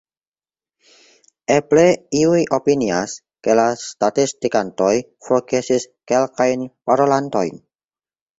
Eble iuj opinias, ke la statistikantoj forgesis kelkajn parolantojn.